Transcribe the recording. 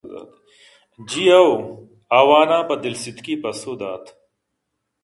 جی ہئو! آوان پہ دلسِتکی پسو دات